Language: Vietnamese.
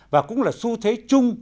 và cũng là xu thế chung